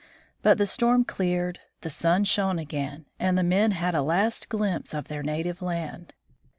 But the storm cleared, the sun shone again, and the men had a last glimpse of their native land.